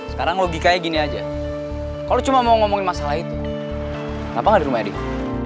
sekarang logikanya gini aja kalo lo cuma mau ngomongin masalah itu kenapa gak di rumahnya dia